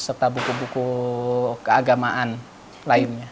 serta buku buku keagamaan lainnya